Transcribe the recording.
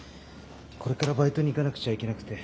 これからバイトに行かなくちゃいけなくて。